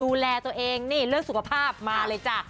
ดูแลตัวเองนี่เรื่องสุขภาพมาเลยจ้ะ